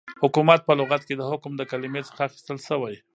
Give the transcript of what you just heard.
حكومت په لغت كې دحكم دكلمې څخه اخيستل سوی